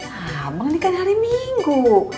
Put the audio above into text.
ya bang ini kan hari minggu